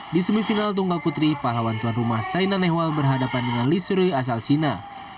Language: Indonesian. di semifinal tunggal putri pahlawan tuan rumah saina nehwal berhadapan dengan lisurui asal cina